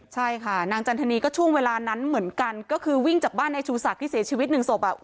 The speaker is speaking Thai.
ใช่ค่ะนางจันทนีก็ช่วงเวลานั้นเหมือนกันก็คือวิ่งจากบ้านในชูศักดิ์ที่เสียชีวิตหนึ่งศพอ่ะ